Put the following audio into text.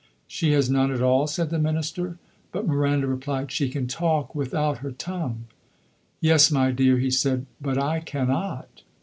"She has none at all," said the minister; but Miranda replied, "She can talk without her tongue." "Yes, my dear," he said, "but I cannot."